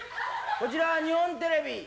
こちら日本テレビ。